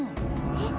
えっ？